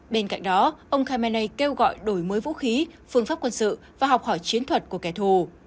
bên cạnh đó ông khamenei kêu gọi đổi mới vũ khí phương pháp quân sự và học hỏi chiến thuật của kẻ thù